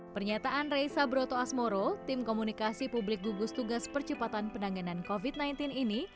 pernyataan reysa brotoasmoro tim komunikasi publik gugus tugas percepatan penanganan covid sembilan belas ini